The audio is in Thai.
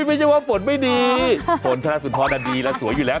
ไม่ใช่ว่าฝนไม่ดีฝนธนสุนทรดีแล้วสวยอยู่แล้ว